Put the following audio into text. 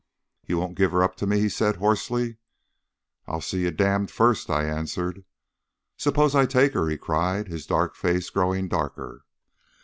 "You won't give her up to me?" he said hoarsely. "I'll see you damned first!" I answered. "Suppose I take her," he cried, his dark face growing darker.